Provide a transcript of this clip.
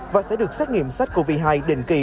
và sẽ được xét nghiệm sách covid hai đền kỳ